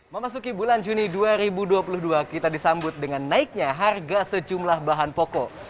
memasuki bulan juni dua ribu dua puluh dua kita disambut dengan naiknya harga sejumlah bahan pokok